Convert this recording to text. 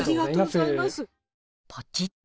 ポチッと。